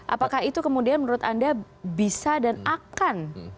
apakah itu kemudian menurut anda bisa dan akan